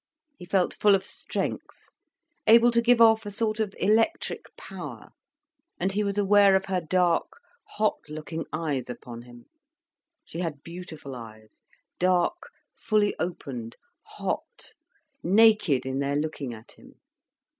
He felt full of strength, able to give off a sort of electric power. And he was aware of her dark, hot looking eyes upon him. She had beautiful eyes, dark, fully opened, hot, naked in their looking at him.